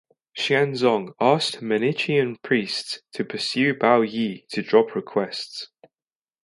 Xianzong asked Manichean priests to pursue Baoyi to drop request.